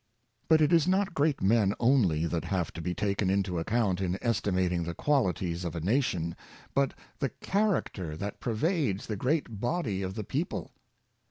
But it is not great men only that have to be taken into account in estimating the qualities of a nation, but the character that prevades the great body of the peo ple.